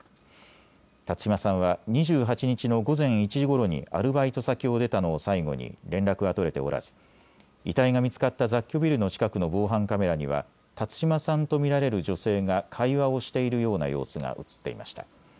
辰島さんは２８日の午前１時ごろにアルバイト先を出たのを最後に連絡が取れておらず遺体が見つかった雑居ビルの近くの防犯カメラには辰島さんと見られる女性が会話をしているような様子が写っていました。